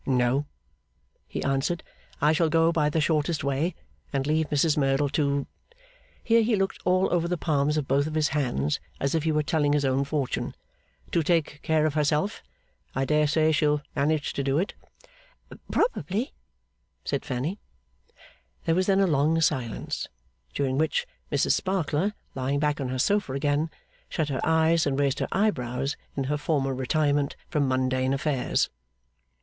'No,' he answered; 'I shall go by the shortest way, and leave Mrs Merdle to ' here he looked all over the palms of both his hands as if he were telling his own fortune 'to take care of herself. I dare say she'll manage to do it.' 'Probably,' said Fanny. There was then a long silence; during which, Mrs Sparkler, lying back on her sofa again, shut her eyes and raised her eyebrows in her former retirement from mundane affairs.